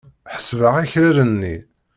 Ḥesbeɣ akraren-nni.